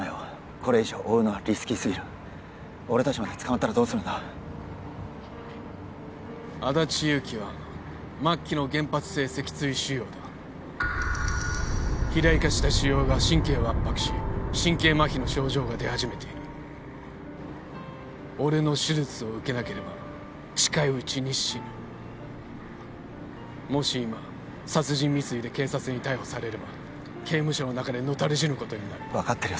これ以上追うのはリスキー過ぎる俺達まで捕まったらどうするんだ安達祐樹は末期の原発性脊椎腫瘍だ肥大化した腫瘍が神経を圧迫し神経麻痺の症状が出始めている俺の手術を受けなければ近いうちに死ぬもし今殺人未遂で警察に逮捕されれば刑務所の中で野垂れ死ぬことになる分かってるよ